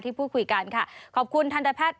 พูดคุยกันค่ะขอบคุณทันตแพทย์